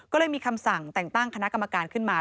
ก็เลยมีคำสั่งแต่งตั้งคณะกรรมการขึ้นมา